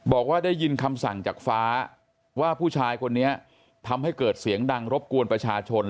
บอกว่าได้ยินคำสั่งจากฟ้าว่าผู้ชายคนนี้ทำให้เกิดเสียงดังรบกวนประชาชน